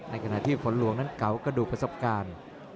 ในขณะที่ฝนหลวงนั้นเก่ากระดูกประสบการณ์